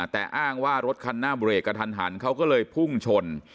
แต่อ้างว่ารถคันหน้าเบรกกระทันหันเขาก็เลยพุ่งชน